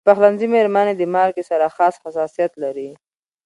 د پخلنځي میرمنې د مالګې سره خاص حساسیت لري.